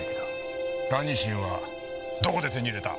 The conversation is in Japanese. ラニシンはどこで手に入れた？